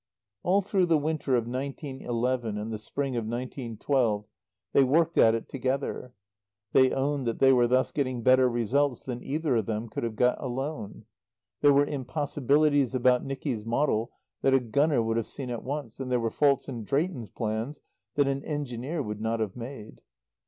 All through the winter of nineteen eleven and the spring of nineteen twelve they worked at it together. They owned that they were thus getting better results than either of them could have got alone. There were impossibilities about Nicky's model that a gunner would have seen at once, and there were faults in Drayton's plans that an engineer would not have made.